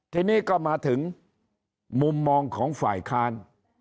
ทีนี้ก็มาถึงมุมมองของฝ่ายค้าน